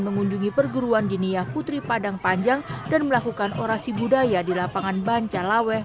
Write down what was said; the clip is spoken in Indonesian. mengunjungi perguruan dinia putri padang panjang dan melakukan orasi budaya di lapangan bancalaweh